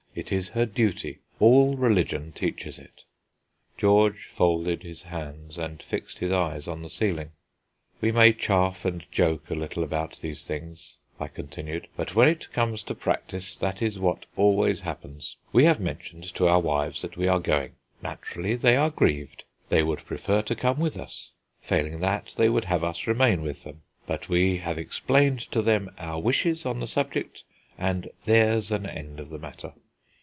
It is her duty; all religion teaches it." George folded his hands and fixed his eyes on the ceiling. "We may chaff and joke a little about these things," I continued; "but when it comes to practice, that is what always happens. We have mentioned to our wives that we are going. Naturally, they are grieved; they would prefer to come with us; failing that, they would have us remain with them. But we have explained to them our wishes on the subject, and there's an end of the matter."